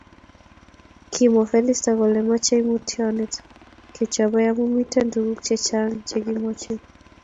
Kimwa Felista kole mochei mutionet kechobei amu miten tukuuk che chang che kimochei.